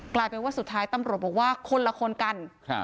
กลายเป็นว่าสุดท้ายตำรวจบอกว่าคนละคนกัน